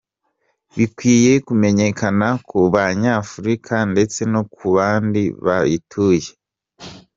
Bikwiye kumenyekana ku banyafurika ndetse no ku bandi batuye Isi.